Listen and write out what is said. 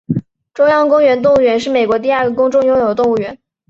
中央公园动物园是美国第二个公众拥有的动物园。